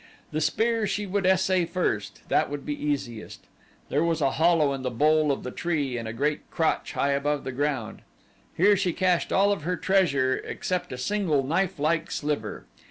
The spear she would essay first that would be easiest. There was a hollow in the bole of the tree in a great crotch high above the ground. Here she cached all of her treasure except a single knifelike sliver.